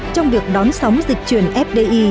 trong việc đón sóng dịch truyền fdi